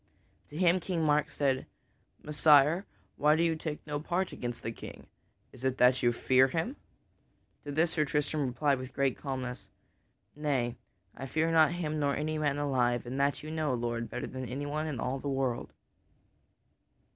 To him King Mark said: "Messire, why do you take no part against this knight? Is it that you fear him?" To this Sir Tristram replied with great calmness: "Nay, I fear not him nor any man alive, and that you know, Lord, better than anyone in all of the world."